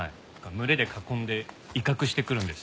群れで囲んで威嚇してくるんです。